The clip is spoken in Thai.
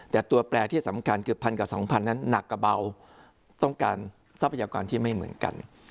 แต่ตัวแปลที่สำคัญเกือบพันกับสองพันนั้นหนักกว่าเบาต้องการทรัพยากรที่ไม่เหมือนกัน